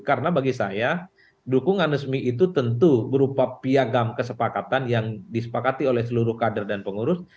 karena bagi saya dukungan resmi itu tentu berupa piagam kesepakatan yang disepakati oleh seluruh kader dan pengurus